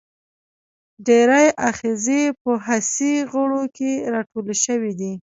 ډیری آخذې په حسي غړو کې راټولې شوي دي.